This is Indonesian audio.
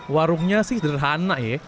warungnya sih sederhana ya